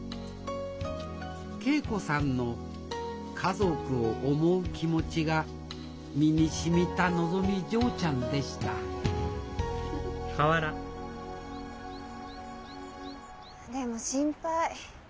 桂子さんの家族を思う気持ちが身にしみたのぞみ嬢ちゃんでしたでも心配。